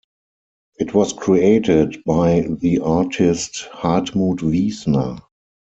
It was created by the artist Hartmut Wiesner.